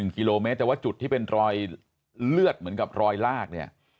กิโลเมตรแต่ว่าจุดที่เป็นรอยเลือดเหมือนกับรอยลากเนี่ย